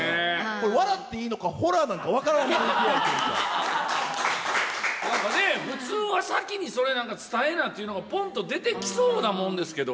これ、笑っていいのか、ホラーななんかね、普通は先にそれ、なんか伝えなっていうのが、ぽんと出てきそうなものですけど。